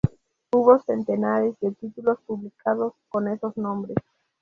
Hubo centenares de títulos publicados con esos nombres.